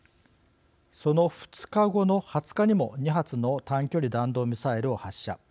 その２日後の２０日にも２発の短距離弾道ミサイルを発射。